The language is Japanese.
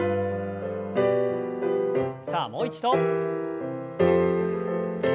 さあもう一度。